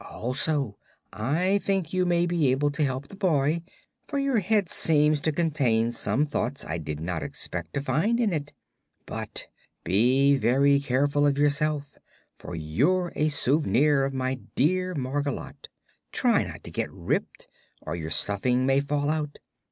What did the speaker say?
Also I think you may be able to help the boy, for your head seems to contain some thoughts I did not expect to find in it. But be very careful of yourself, for you're a souvenir of my dear Margolotte. Try not to get ripped, or your stuffing may fall out.